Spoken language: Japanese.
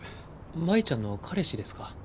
舞ちゃんの彼氏ですか。